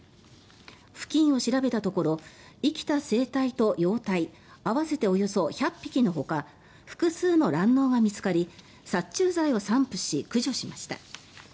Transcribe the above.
付近を調べたところ生きた成体と幼体合わせておよそ１００匹のほか複数の卵のうが見つかり殺虫剤を散布し、駆除しました。